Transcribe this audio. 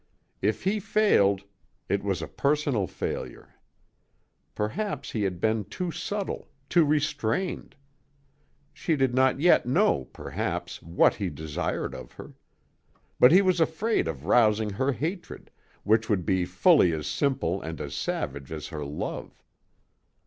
If he failed, it was a personal failure. Perhaps he had been too subtle, too restrained. She did not yet know, perhaps, what he desired of her. But he was afraid of rousing her hatred, which would be fully as simple and as savage as her love.